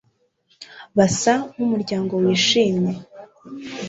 basa nkumuryango wishimye